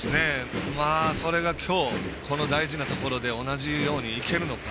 それが、今日同じように大事なところで同じようにいけるのか。